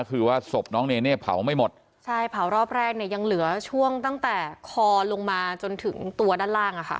คือว่าศพน้องเนเน่เผาไม่หมดใช่เผารอบแรกเนี่ยยังเหลือช่วงตั้งแต่คอลงมาจนถึงตัวด้านล่างอ่ะค่ะ